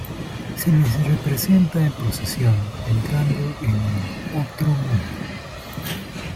Se les representa en procesión, entrando en el "otro mundo".